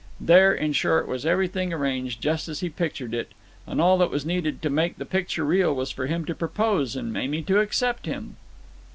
There, in short, was everything arranged just as he pictured it; and all that was needed to make the picture real was for him to propose and Mamie to accept him.